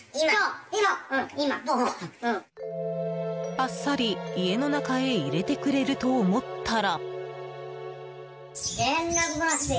あっさり家の中へ入れてくれると思ったら。